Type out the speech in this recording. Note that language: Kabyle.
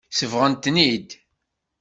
Sebɣen-ten-id.